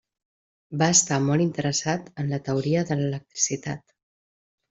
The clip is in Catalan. Va estar molt interessat en la teoria de l'electricitat.